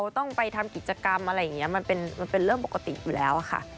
ต้องไปทำกิจกรรมอะไรอย่างนี้มันเป็นเรื่องปกติอยู่แล้วค่ะ